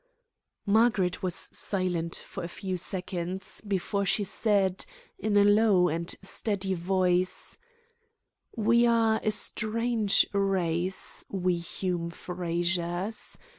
Margaret was silent for a few seconds before she said, in a low and steady voice: "We are a strange race, we Hume Frazers.